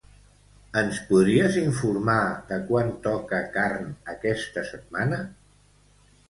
Ens podries informar de quan toca carn aquesta setmana?